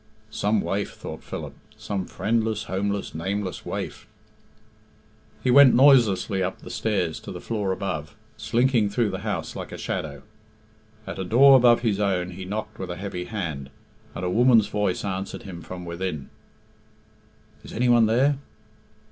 "Some waif," thought Philip; "some friendless, homeless, nameless waif." He went noiselessly up the stairs to the floor above, slinking through the house like a shadow. At a door above his own he knocked with a heavy hand, and a woman's voice answered him from within "Is any one there?"